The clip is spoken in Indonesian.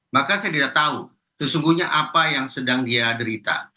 maka saya tidak tahu sesungguhnya apa yang sedang dia derita